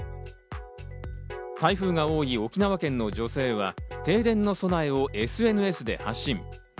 台風が多い沖縄県の女性は停電の備えをＳＮＳで発信。